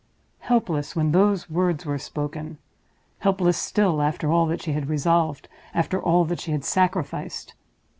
Helpless when those words were spoken—helpless still, after all that she had resolved, after all that she had sacrificed.